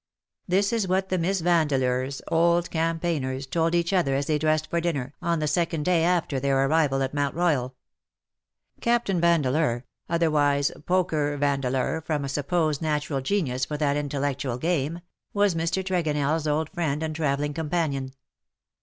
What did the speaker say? This is what the Miss Vandeleurs — old cam paigners — told each other as they dressed for dinner, on the second day after their arrival at Mount Royal. Captain Vandeleur — otherwise Poker Van WE DRAW NIGH THEE." 179 deleur, from a supposed natural genius for that intellectual game— was Mr. TregonelFs old friend and travelling companion.